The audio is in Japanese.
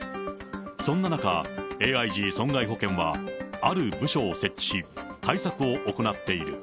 そんな中、ＡＩＧ損害保険はある部署を設置し、対策を行っている。